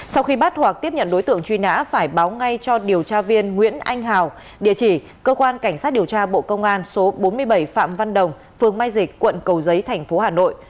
sau khi bắt hoặc tiếp nhận đối tượng truy nã phải báo ngay cho điều tra viên nguyễn anh hào địa chỉ cơ quan cảnh sát điều tra bộ công an số bốn mươi bảy phạm văn đồng phường mai dịch quận cầu giấy thành phố hà nội